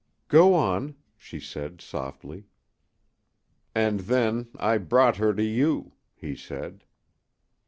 "Go on," she said, softly. "And then I brought her to you," he said.